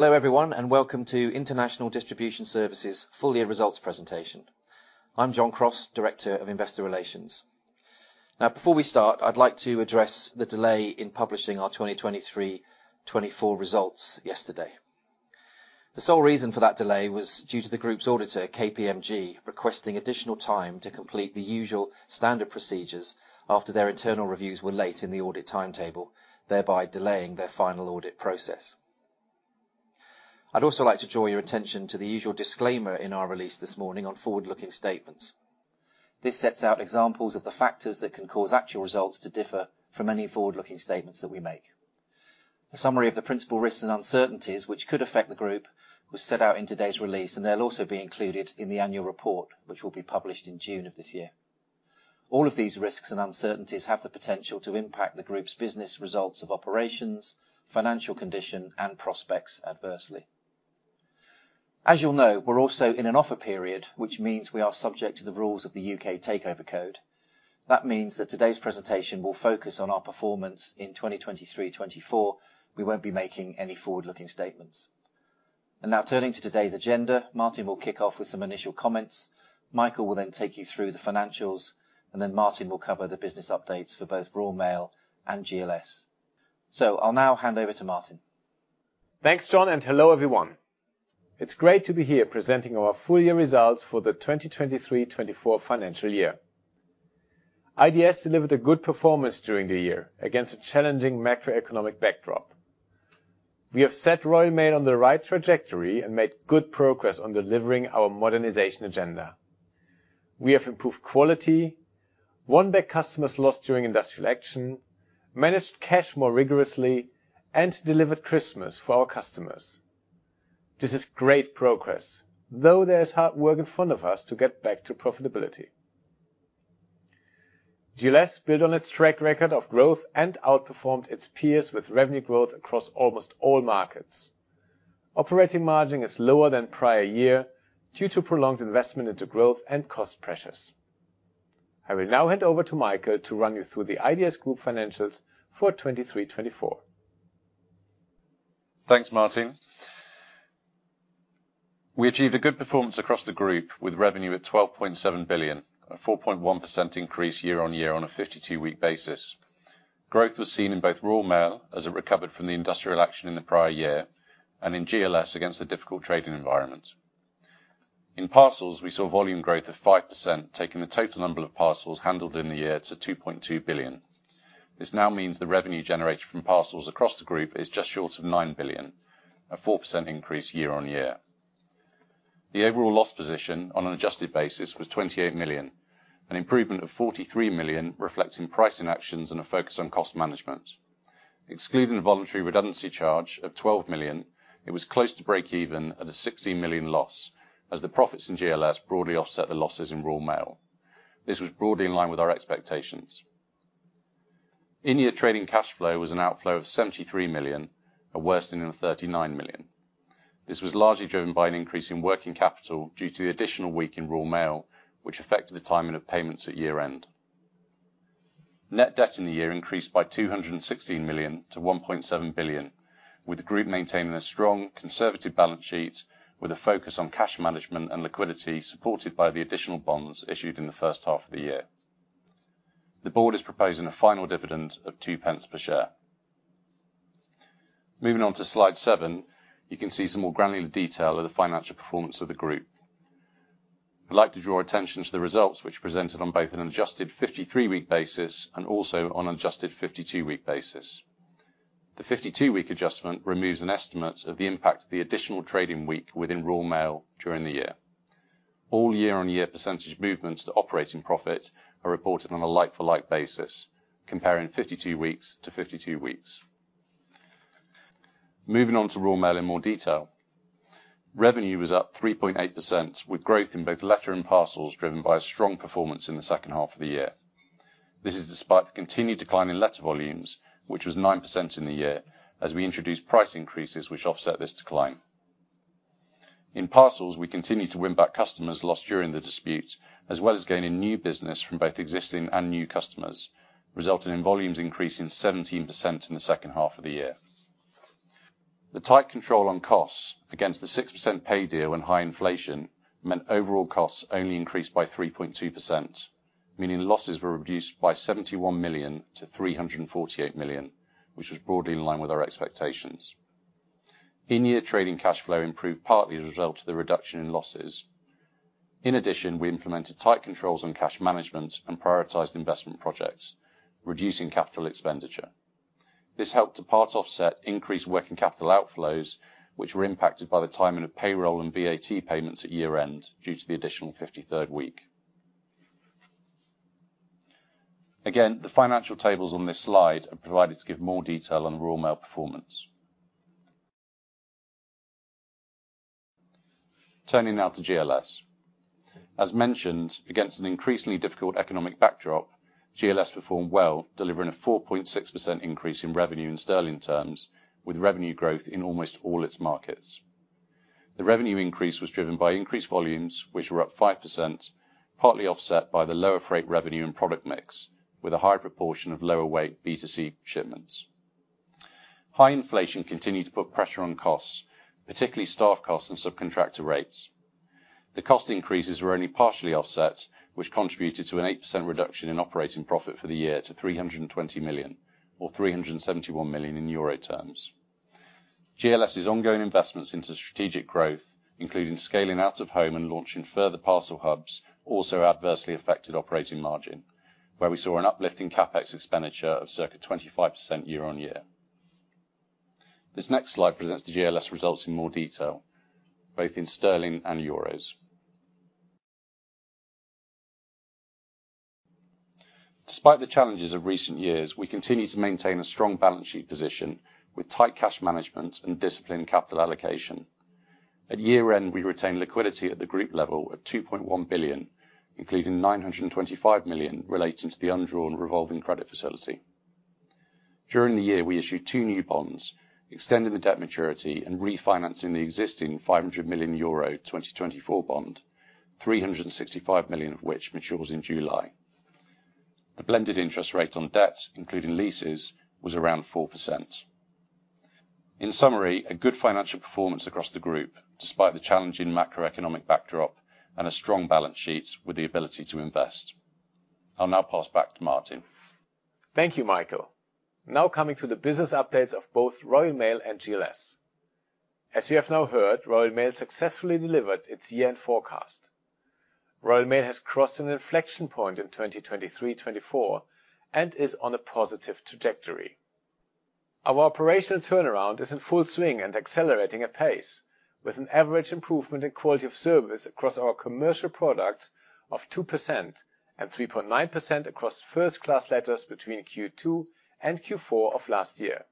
Hello, everyone, and welcome to International Distribution Services full year results presentation. I'm John Crosse, Director of Investor Relations. Now, before we start, I'd like to address the delay in publishing our 2023-2024 results yesterday. The sole reason for that delay was due to the group's auditor, KPMG, requesting additional time to complete the usual standard procedures after their internal reviews were late in the audit timetable, thereby delaying their final audit process. I'd also like to draw your attention to the usual disclaimer in our release this morning on forward-looking statements. This sets out examples of the factors that can cause actual results to differ from any forward-looking statements that we make. A summary of the principal risks and uncertainties, which could affect the group, was set out in today's release, and they'll also be included in the annual report, which will be published in June of this year. All of these risks and uncertainties have the potential to impact the group's business results of operations, financial condition, and prospects adversely. As you'll know, we're also in an offer period, which means we are subject to the rules of the U.K. Takeover Code. That means that today's presentation will focus on our performance in 2023, 2024. We won't be making any forward-looking statements. And now, turning to today's agenda, Martin will kick off with some initial comments. Michael will then take you through the financials, and then Martin will cover the business updates for both Royal Mail and GLS. So I'll now hand over to Martin. Thanks, John, and hello, everyone. It's great to be here presenting our full year results for the 2023-2024 financial year. IDS delivered a good performance during the year against a challenging macroeconomic backdrop. We have set Royal Mail on the right trajectory and made good progress on delivering our modernization agenda. We have improved quality, won back customers lost during industrial action, managed cash more rigorously, and delivered Christmas for our customers. This is great progress, though there is hard work in front of us to get back to profitability. GLS built on its track record of growth and outperformed its peers with revenue growth across almost all markets. Operating margin is lower than prior year due to prolonged investment into growth and cost pressures. I will now hand over to Michael to run you through the IDS group financials for 2023-2024. Thanks, Martin. We achieved a good performance across the group, with revenue at 12.7 billion, a 4.1% increase year-on-year on a 52-week basis. Growth was seen in both Royal Mail, as it recovered from the industrial action in the prior year, and in GLS against a difficult trading environment. In parcels, we saw volume growth of 5%, taking the total number of parcels handled in the year to 2.2 billion. This now means the revenue generated from parcels across the group is just short of 9 billion, a 4% increase year-on-year. The overall loss position on an adjusted basis was 28 million, an improvement of 43 million, reflecting pricing actions and a focus on cost management. Excluding the voluntary redundancy charge of 12 million, it was close to breakeven at a 16 million loss, as the profits in GLS broadly offset the losses in Royal Mail. This was broadly in line with our expectations. In-year trading cash flow was an outflow of 73 million, a worsening of 39 million. This was largely driven by an increase in working capital due to the additional week in Royal Mail, which affected the timing of payments at year-end. Net debt in the year increased by 216 million to 1.7 billion, with the group maintaining a strong conservative balance sheet, with a focus on cash management and liquidity, supported by the additional bonds issued in the first half of the year. The board is proposing a final dividend of 0.02 per share. Moving on to slide seven, you can see some more granular detail of the financial performance of the group. I'd like to draw attention to the results, which presented on both an adjusted 53-week basis and also on adjusted 52-week basis. The 52-week adjustment removes an estimate of the impact of the additional trading week within Royal Mail during the year. All year-on-year percentage movements to operating profit are reported on a like-for-like basis, comparing 52 weeks to 52 weeks. Moving on to Royal Mail in more detail. Revenue was up 3.8%, with growth in both letter and parcels, driven by a strong performance in the second half of the year. This is despite the continued decline in letter volumes, which was 9% in the year, as we introduced price increases, which offset this decline. In parcels, we continued to win back customers lost during the dispute, as well as gaining new business from both existing and new customers, resulting in volumes increasing 17% in the second half of the year. The tight control on costs against the 6% pay deal and high inflation meant overall costs only increased by 3.2%, meaning losses were reduced by 71 million to 348 million, which was broadly in line with our expectations. In-year trading cash flow improved partly as a result of the reduction in losses. In addition, we implemented tight controls on cash management and prioritized investment projects, reducing capital expenditure. This helped to part offset increased working capital outflows, which were impacted by the timing of payroll and VAT payments at year-end due to the additional 53rd week. Again, the financial tables on this slide are provided to give more detail on Royal Mail performance. Turning now to GLS. As mentioned, against an increasingly difficult economic backdrop, GLS performed well, delivering a 4.6% increase in revenue in sterling terms, with revenue growth in almost all its markets. The revenue increase was driven by increased volumes, which were up 5%, partly offset by the lower freight revenue and product mix, with a higher proportion of lower weight B2C shipments. High inflation continued to put pressure on costs, particularly staff costs and subcontractor rates. The cost increases were only partially offset, which contributed to an 8% reduction in operating profit for the year to 320 million, or 371 million in euro terms. GLS's ongoing investments into strategic growth, including scaling out of home and launching further parcel hubs, also adversely affected operating margin, where we saw an uplift in CapEx expenditure of circa 25% year-on-year. This next slide presents the GLS results in more detail, both in sterling and euros. Despite the challenges of recent years, we continue to maintain a strong balance sheet position with tight cash management and disciplined capital allocation. At year-end, we retained liquidity at the group level of 2.1 billion, including 925 million relating to the undrawn revolving credit facility. During the year, we issued two new bonds, extending the debt maturity and refinancing the existing 500 million euro 2024 bond, 365 million euro of which matures in July. The blended interest rate on debts, including leases, was around 4%. In summary, a good financial performance across the group, despite the challenging macroeconomic backdrop and a strong balance sheet with the ability to invest. I'll now pass back to Martin. Thank you, Michael. Now coming to the business updates of both Royal Mail and GLS. As you have now heard, Royal Mail successfully delivered its year-end forecast. Royal Mail has crossed an inflection point in 2023, 2024, and is on a positive trajectory. Our operational turnaround is in full swing and accelerating apace, with an average improvement in quality of service across our commercial products of 2%, and 3.9% across First Class letters between Q2 and Q4 of last year.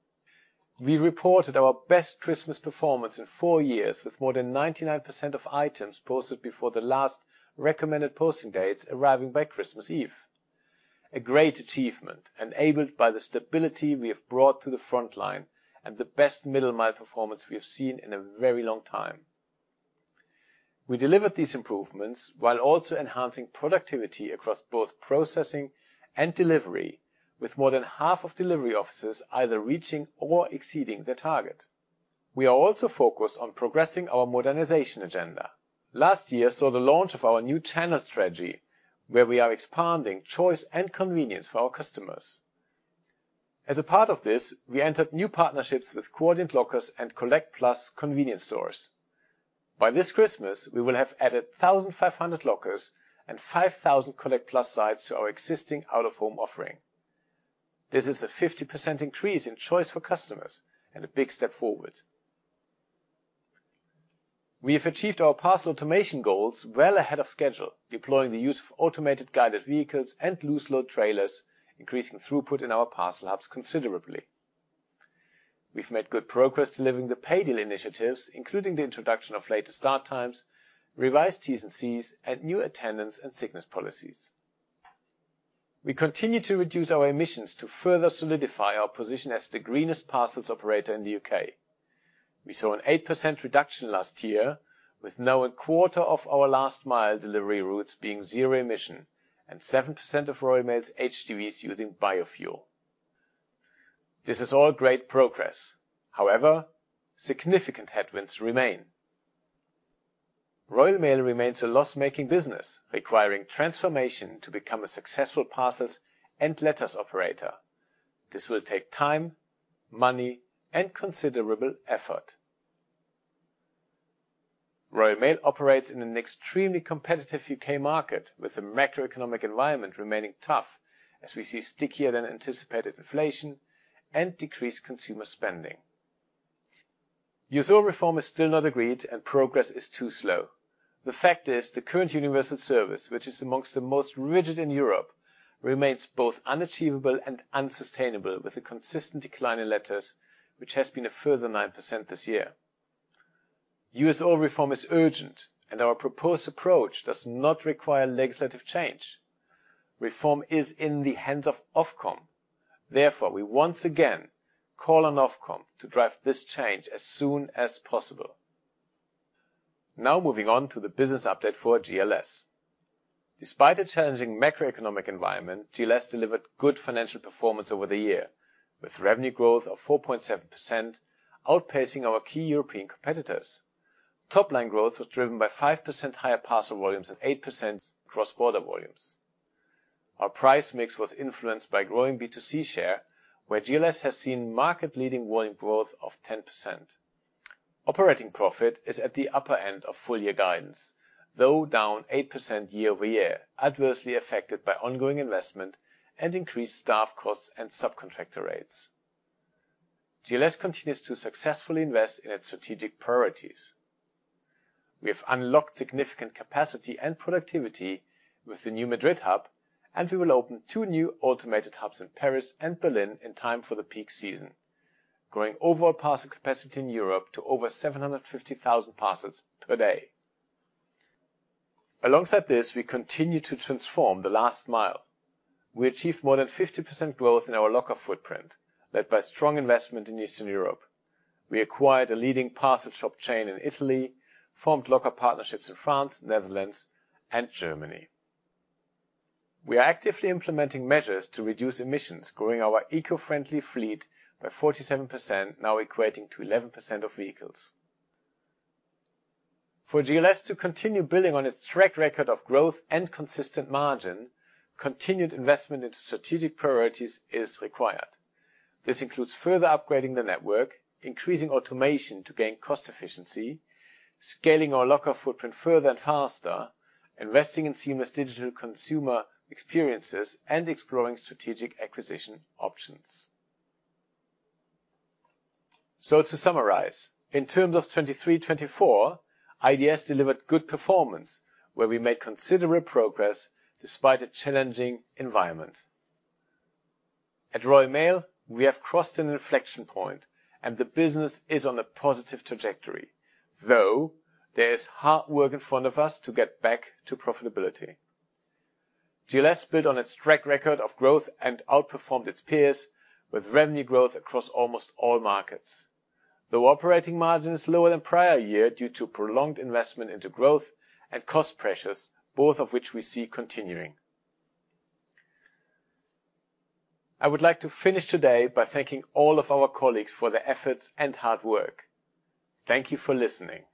We reported our best Christmas performance in four years, with more than 99% of items posted before the last recommended posting dates arriving by Christmas Eve. A great achievement, enabled by the stability we have brought to the frontline and the best middle-mile performance we have seen in a very long time. We delivered these improvements while also enhancing productivity across both processing and delivery, with more than half of delivery offices either reaching or exceeding their target. We are also focused on progressing our modernization agenda. Last year saw the launch of our new channel strategy, where we are expanding choice and convenience for our customers. As a part of this, we entered new partnerships with Quadient and Collect+ convenience stores. By this Christmas, we will have added 1,500 lockers and 5,000 Collect+ sites to our existing out-of-home offering. This is a 50% increase in choice for customers and a big step forward. We have achieved our parcel automation goals well ahead of schedule, deploying the use of automated guided vehicles and loose-load trailers, increasing throughput in our parcel hubs considerably. We've made good progress delivering the pay deal initiatives, including the introduction of later start times, revised Ts and Cs, and new attendance and sickness policies. We continue to reduce our emissions to further solidify our position as the greenest parcels operator in the U.K. We saw an 8% reduction last year, with now a quarter of our last mile delivery routes being zero emission and 7% of Royal Mail's HGVs using biofuel. This is all great progress. However, significant headwinds remain. Royal Mail remains a loss-making business, requiring transformation to become a successful parcels and letters operator. This will take time, money, and considerable effort. Royal Mail operates in an extremely competitive U.K. market, with the macroeconomic environment remaining tough as we see stickier than anticipated inflation and decreased consumer spending. USO reform is still not agreed, and progress is too slow. The fact is, the current universal service, which is among the most rigid in Europe, remains both unachievable and unsustainable, with a consistent decline in letters, which has been a further 9% this year. USO reform is urgent, and our proposed approach does not require legislative change. Reform is in the hands of Ofcom. Therefore, we once again call on Ofcom to drive this change as soon as possible. Now moving on to the business update for GLS. Despite a challenging macroeconomic environment, GLS delivered good financial performance over the year, with revenue growth of 4.7%, outpacing our key European competitors. Top-line growth was driven by 5% higher parcel volumes and 8% cross-border volumes. Our price mix was influenced by growing B2C share, where GLS has seen market-leading volume growth of 10%. Operating profit is at the upper end of full-year guidance, though down 8% year-over-year, adversely affected by ongoing investment and increased staff costs and subcontractor rates. GLS continues to successfully invest in its strategic priorities. We have unlocked significant capacity and productivity with the new Madrid hub, and we will open two new automated hubs in Paris and Berlin in time for the peak season, growing overall parcel capacity in Europe to over 750,000 parcels per day. Alongside this, we continue to transform the last mile. We achieved more than 50% growth in our locker footprint, led by strong investment in Eastern Europe. We acquired a leading parcel shop chain in Italy, formed locker partnerships in France, Netherlands, and Germany. We are actively implementing measures to reduce emissions, growing our eco-friendly fleet by 47%, now equating to 11% of vehicles. For GLS to continue building on its track record of growth and consistent margin, continued investment into strategic priorities is required. This includes further upgrading the network, increasing automation to gain cost efficiency, scaling our locker footprint further and faster, investing in seamless digital consumer experiences, and exploring strategic acquisition options. To summarize, in terms of 2023, 2024, IDS delivered good performance, where we made considerable progress despite a challenging environment. At Royal Mail, we have crossed an inflection point, and the business is on a positive trajectory, though there is hard work in front of us to get back to profitability. GLS built on its track record of growth and outperformed its peers with revenue growth across almost all markets, though operating margin is lower than prior year due to prolonged investment into growth and cost pressures, both of which we see continuing. I would like to finish today by thanking all of our colleagues for their efforts and hard work. Thank you for listening.